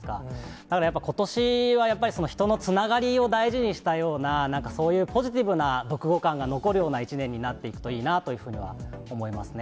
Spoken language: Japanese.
だからやっぱことしはやっぱり、人のつながりを大事にしたような、なんかそういうポジティブな読後感が残るような一年になっていくといいなというふうには思いますね。